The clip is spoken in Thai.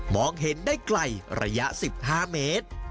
องเห็นได้ไกลระยะ๑๕เมตร